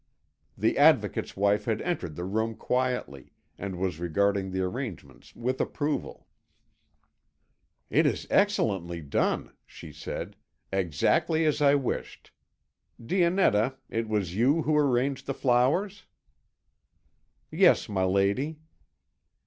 The Advocate's wife had entered the room quietly, and was regarding the arrangements with approval. "It is excellently done," she said, "exactly as I wished. Dionetta, it was you who arranged the flowers?" "Yes, my lady."